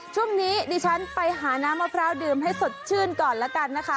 ช่วงนี้ดิฉันไปหาน้ำมะพร้าวดื่มให้สดชื่นก่อนแล้วกันนะคะ